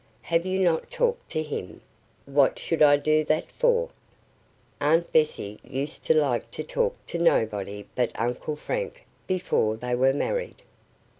'" "Have you not talked to him?" "What should I do that for?" "Aunt Bessie used to like to talk to nobody but Uncle Frank before they were married."